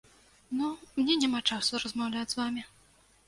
Ну, мне няма часу размаўляць з вамі.